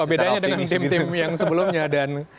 beda dengan tim tim yang sebelumnya dan